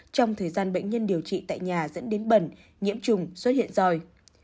trong thời gian bệnh nhân điều trị tại nhà dẫn đến bẩn nhiễm trùng xuất hiện roi